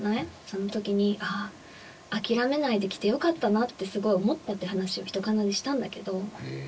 その時にあぁ諦めないできてよかったなってすごい思ったって話を「ひとかな」でしたんだけどへぇ！